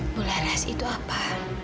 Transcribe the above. bularas itu apa